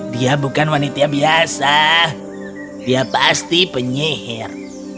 dia bukan wanita biasa dia pasti penyihir